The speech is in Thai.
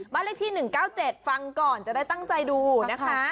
เลขที่๑๙๗ฟังก่อนจะได้ตั้งใจดูนะคะ